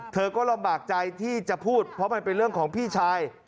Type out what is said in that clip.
เธอก็ลำบากใจที่จะพูดเพราะมันเป็นเรื่องของพี่ชาย